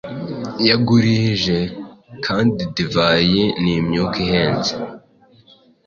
Yagurihije kandi divayi nimyuka ihenze